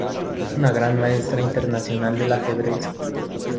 Es una gran maestra internacional del ajedrez.